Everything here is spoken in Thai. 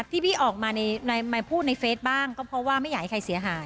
ที่พี่ออกมาพูดในเฟซบ้างก็เพราะว่าไม่อยากให้ใครเสียหาย